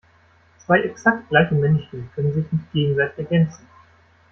Zwei exakt gleiche Menschen können sich nicht gegenseitig ergänzen.